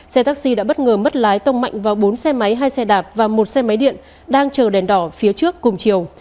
xe taxi đã bất ngờ mất lái tông mạnh vào bốn xe máy hai xe đạp và một xe máy điện đang chờ đèn đỏ phía trước cùng chiều